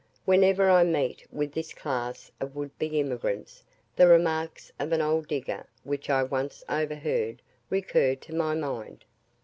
Whenever I meet with this class of would be emigrants, the remarks of an old digger, which I once over heard, recur to my mind.